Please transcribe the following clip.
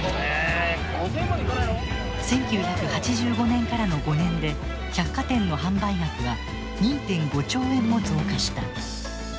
１９８５年からの５年で百貨店の販売額は２．５兆円も増加した。